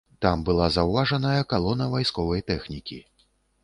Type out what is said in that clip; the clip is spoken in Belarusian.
Там была заўважаная калона вайсковай тэхнікі.